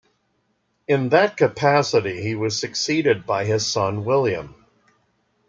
In that capacity he was succeeded by his son William.